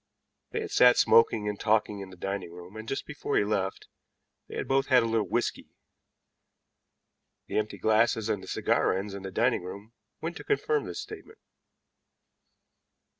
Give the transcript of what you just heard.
They had sat smoking and talking in the dining room, and just before he left they had both had a little whisky. The empty glasses and the cigar ends in the dining room went to confirm this statement.